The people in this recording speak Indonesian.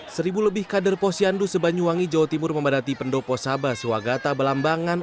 seribu lebih kader posyandu se banyuwangi jawa timur memadati pendopo sabah sewagata belambangan